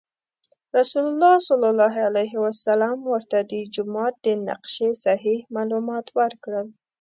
رسول الله صلی الله علیه وسلم ورته د جومات د نقشې صحیح معلومات ورکړل.